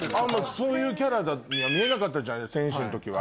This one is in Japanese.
そういうキャラには見えなかったじゃん選手の時は。